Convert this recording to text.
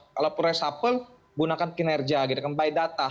kalau perlu resapel gunakan kinerja gitu kembali data